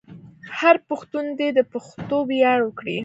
هر پښتون دې د پښتو ویاړ وکړي.